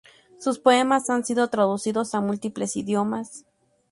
Sus poemas han sido traducidos a múltiples idiomas.